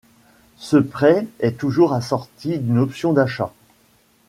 Ce prêt est toujours assorti d'une option d'achat.